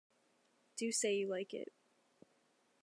Do say you like it.